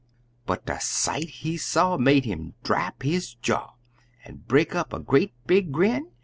But de sight dat he saw made 'im drap his jaw, An' break up a great big grin!